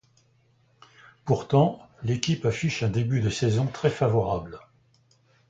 Pourtant l'équipe affiche un début de saison très favorable.